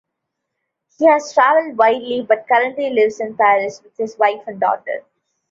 He has travelled widely but currently lives in Paris with his wife and daughter.